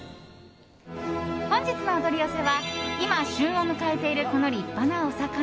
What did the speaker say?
本日のお取り寄せは今、旬を迎えているこの立派なお魚。